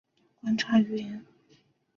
但美国仍担任该法院的观察员。